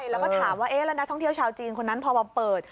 แล้วก็ถามว่าแล้วนักท่องเที่ยวชาวจีนคนนั้นพอมาเปิด